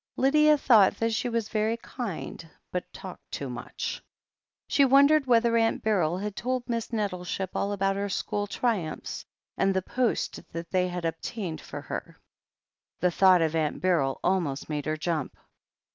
Lydia thought that she was very kind, but talked too mudi. She wondered whether Aunt Beryl had told Miss Nettleship all about her school triumphs, and the post that they had obtained for her. The thought of Aunt Beryl almost made her jump.